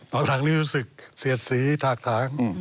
ตอนหลังนี้มันรู้สึกเสียจสีถากถาง